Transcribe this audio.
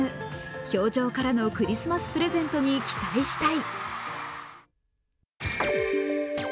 氷上からのクリスマスプレゼントに期待したい。